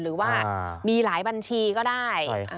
หรือว่ามีหลายบัญชีก็ได้